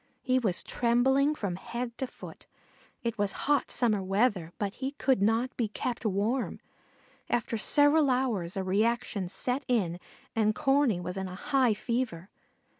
He was trembling from head to foot. It was hot summer weather, but he could not be kept warm. After several hours a reaction set in and Corney was in a high fever.